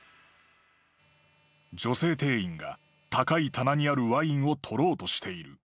［女性店員が高い棚にあるワインを取ろうとしている］